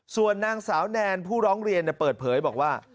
ส่วนนางสาวแนนผู้ร้องเรียนเปิดเผยบอกว่า